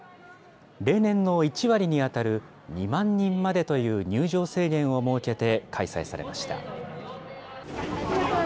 例年の１割に当たる２万人までという入場制限を設けて、開催されました。